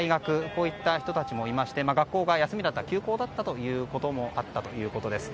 こういった人たちもいまして学校が休校だったということもあったということです。